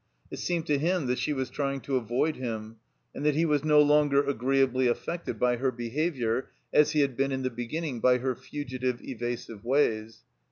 It seemed to him that she was trjring to avoid him, and that he was no longer agreeably affected by her behavior, as he had been in the beginning by her fugitive, evasive, ways.